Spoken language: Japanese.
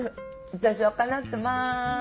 私は叶ってます。